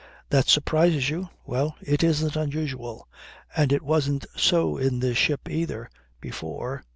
"That surprises you? Well, it isn't usual. And it wasn't so in this ship either, before.